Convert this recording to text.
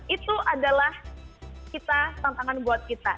itu adalah kita tantangan buat kita